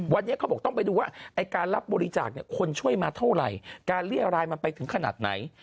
วันนี้เขาบอกต้องไปดูว่าไอ้การรับบริจาคคนช่วยมาเท่าไหร่การเรียรายมันไปถึงขนาดไหน